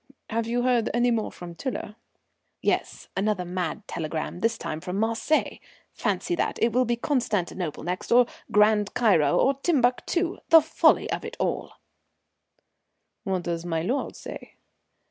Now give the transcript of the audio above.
Have you heard any more from Tiler?" "Yes, another mad telegram, this time from Marseilles. Fancy that! It will be Constantinople next or Grand Cairo or Timbuctoo. The folly of it!" "What does my lord say?"